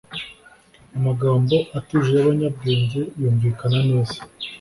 amagambo atuje y'abanyabwenge yumvikana neza